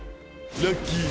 ラッキー。